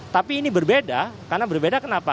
tapi ini berbeda karena berbeda kenapa